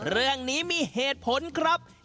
เรื่องนี้มีเหตุผลครับ